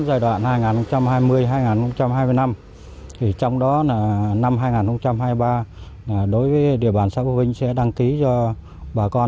giai đoạn hai nghìn hai mươi hai nghìn hai mươi năm trong đó là năm hai nghìn hai mươi ba đối với địa bàn xã cô vinh sẽ đăng ký cho bà con